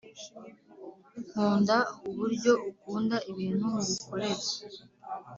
nkunda uburyo ukunda ibintu ngukorera